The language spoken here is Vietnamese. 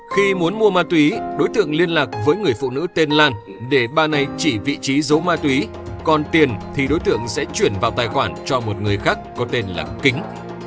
khi muốn mua ma túy đối tượng liên lạc với người phụ nữ tên lan để bà này chỉ vị trí dấu ma túy còn tiền thì đối tượng sẽ chuyển vào tài khoản cho một người khác có tên là kính